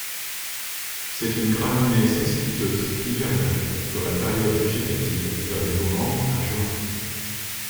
C’est une graminée cespiteuse hivernale dont la période végétative va de novembre à juin.